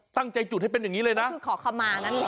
ตั้งใจจุดให้เป็นอย่างนี้เลยนะ